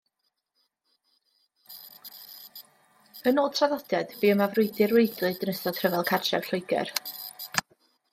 Yn ôl traddodiad bu yma frwydr waedlyd yn ystod Rhyfel Cartref Lloegr.